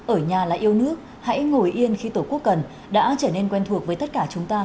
ở nhà là yêu nước hãy ngồi yên khi tổ quốc cần đã trở nên quen thuộc với tất cả chúng ta